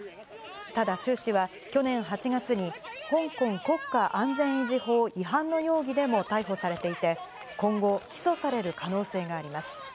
ただ周氏は、去年８月に香港国家安全維持法違反の容疑でも逮捕されていて、今後、起訴される可能性があります。